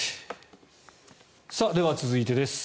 では、続いてです。